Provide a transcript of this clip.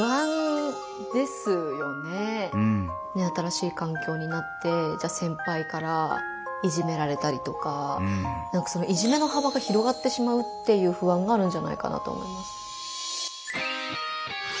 新しい環境になってじゃ先輩からいじめられたりとかいじめの幅が広がってしまうっていう不安があるんじゃないかなと思います。